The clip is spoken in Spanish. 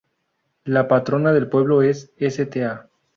La patrona del pueblo es Sta.